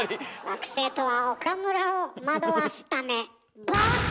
「惑星」とは岡村を惑わすため。